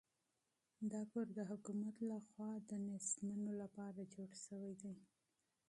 دا کور د حکومت لخوا د بې وزلو لپاره جوړ شوی دی.